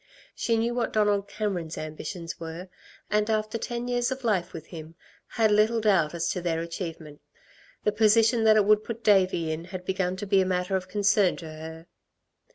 She knew what Donald Cameron's ambitions were, and after ten years of life with him had little doubt as to their achievement. The position that it would put Davey in had begun to be a matter of concern to her.